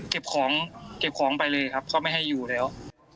เก็บของไปเลยครับเพราะไม่ให้อยู่แล้ว